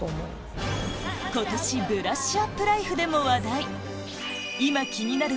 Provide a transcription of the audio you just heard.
今夜は今年『ブラッシュアップライフ』でも話題今気になる